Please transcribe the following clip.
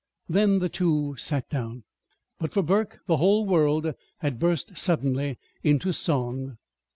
Then the two sat down. But, for Burke, the whole world had burst suddenly into song.